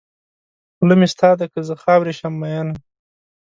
خوله مې ستا ده که زه خاورې شم مینه.